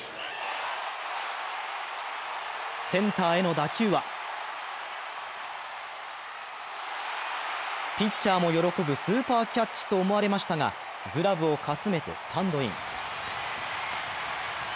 センターへの打球はピッチャーも喜ぶスーパーキャッチと思われましたがグラブをかすめてスタンドイン。